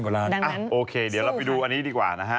ดังนั้นสู้นะโอเคเดี๋ยวเราไปดูอันนี้ดีกว่านะฮะ